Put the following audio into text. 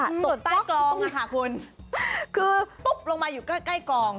หล่นใต้กลองอ่ะคุณคือปุ๊บลงมาอยู่ใกล้กลอง